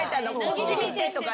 「こっち見て」とか。